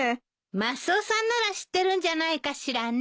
マスオさんなら知ってるんじゃないかしらね。